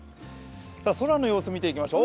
空の様子を見ていきましょう。